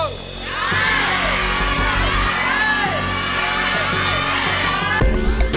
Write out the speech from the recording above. แย่